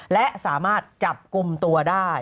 และสามารถจับกลุ่มตัวได้